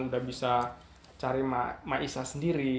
udah bisa cari ma'isah sendiri